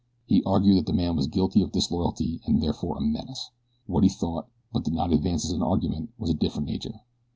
He argued that the man was guilty of disloyalty and therefore a menace. What he thought, but did not advance as an argument, was of a different nature.